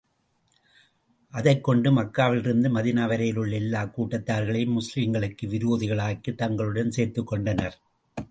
அதைக் கொண்டு மக்காவிலிருந்து, மதீனா வரையிலுள்ள எல்லாக் கூட்டாத்தார்களையும் முஸ்லிம்களுக்கு விரோதிகளாக்கித் தங்களுடன் சேர்த்துக் கொண்டனர்.